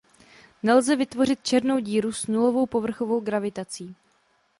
Nelze vytvořit černou díru s nulovou povrchovou gravitací.